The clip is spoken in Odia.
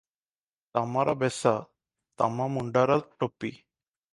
"ତମର ବେଶ- ତମ ମୁଣ୍ଡର ଟୋପି ।"